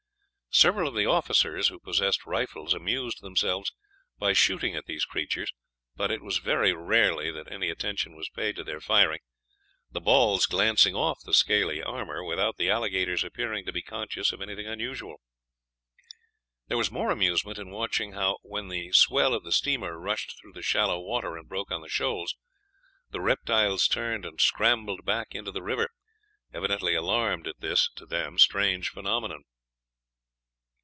Several of the officers who possessed rifles amused themselves by shooting at these creatures, but it was very rarely that any attention was paid to their firing, the balls glancing off the scaly armor without the alligators appearing to be conscious of anything unusual. There was more amusement in watching how, when the swell of the steamer rushed through the shallow water and broke on the shoals, the reptiles turned and scrambled back into the river, evidently alarmed at this, to them, strange phenomenon.